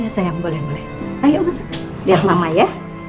saya boleh boleh ayo lihat mama ya